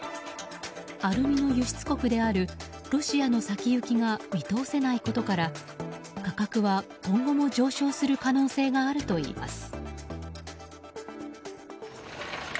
アルミの輸出国であるロシアの先行きが見通せないことから価格は今後も上昇する可能性があるといいます。